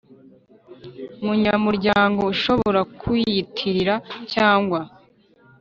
Munyamuryango ushobora kuwiyitirira cyangwa